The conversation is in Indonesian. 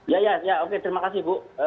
ya ya oke terima kasih bu